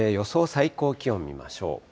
最高気温を見ましょう。